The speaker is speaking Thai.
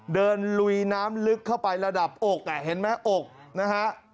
ลุยน้ำลึกเข้าไประดับอกเห็นไหมอกนะฮะ